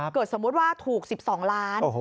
เกิดสมมติว่าถูก๑๒ล้าน